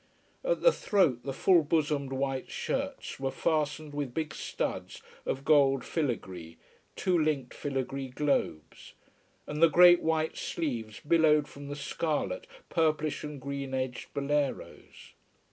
At the throat the full bosomed white shirts were fastened with big studs of gold filigree, two linked filigree globes: and the great white sleeves billowed from the scarlet, purplish and green edged boleros.